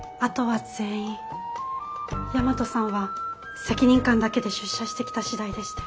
大和さんは責任感だけで出社してきた次第でして。